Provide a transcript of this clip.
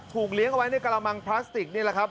เลี้ยงเอาไว้ในกระมังพลาสติกนี่แหละครับ